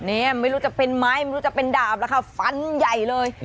ไม่รู้จะเป็นไม้ไม่รู้จะเป็นดาบแล้วค่ะฟันใหญ่เลย